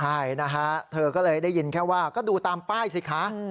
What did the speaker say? ใช่นะฮะเธอก็เลยได้ยินแค่ว่าก็ดูตามป้ายสิคะ